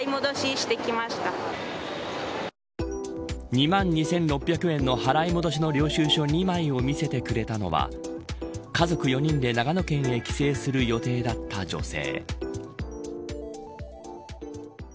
２万２６００円の払い戻しの領収書２枚を見せてくれたのは家族４人で長野県へ帰省する予定だった女性。